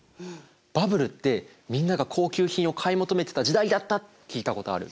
バブルってみんなが高級品を買い求めてた時代だったって聞いたことある。